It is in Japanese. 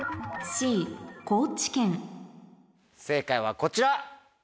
正解はこちら！